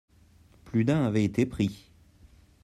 Plus d'un avait été pris.